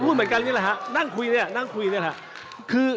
ก็พูดเหมือนกันนี่แหละครับนั่งคุยนี่นั่งคุยนี่แหละครับ